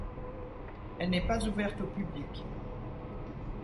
Elle n'est pas ouverte au public.